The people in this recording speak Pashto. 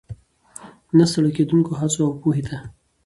، نه ستړې کېدونکو هڅو، او پوهې ته